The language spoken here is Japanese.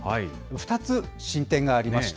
２つ進展がありました。